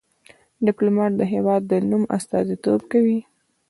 ډيپلومات د هېواد د نوم استازیتوب کوي.